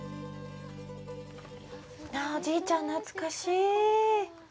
おじいちゃん、懐かしい。